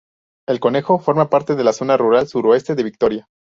El concejo forma parte de la Zona Rural Suroeste de Vitoria.